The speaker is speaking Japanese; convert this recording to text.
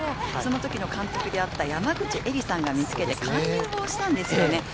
その時の監督であった山口衛里さんが見つけて勧誘をしたんですよね。